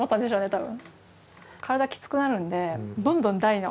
多分。